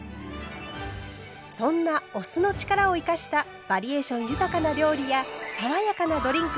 そんなお酢の力を生かしたバリエーション豊かな料理や爽やかなドリンク